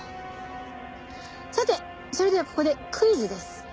さてそれではここでクイズです。